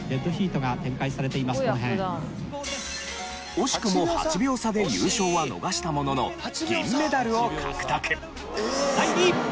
惜しくも８秒差で優勝は逃したものの銀メダルを獲得。